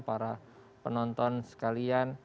para penonton sekalian